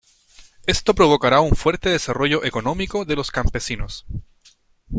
Esto provocará un fuerte desarrollo económico de los campesinos.